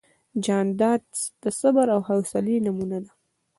جانداد د صبر او حوصلې نمونه ده.